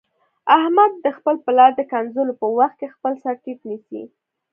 احمد د خپل پلار د کنځلو په وخت کې خپل سرټیټ نیسي.